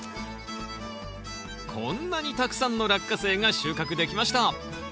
こんなにたくさんのラッカセイが収穫できました！